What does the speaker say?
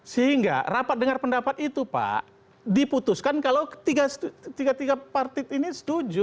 sehingga rapat dengar pendapat itu pak diputuskan kalau tiga tiga partit ini setuju